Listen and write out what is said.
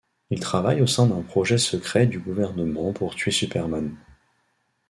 Il travaille au sein d'un projet secret du gouvernement pour tuer Superman.